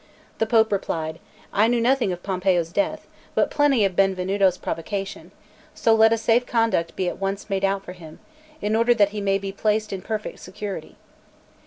The Pope replied: "I knew nothing of Pompeo's death, but plenty of Benvenuto's provocation; so let a safe conduct be at once made out for him, in order that he may be placed in perfect security."